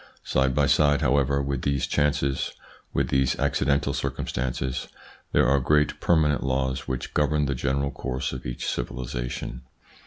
Side by side, however, with these chances, with these accidental circumstances, there are great permanent laws which govern the general course of each civilisation.